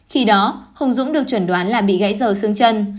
khi đó hùng dũng được chuẩn đoán là bị gãy giờ xương chân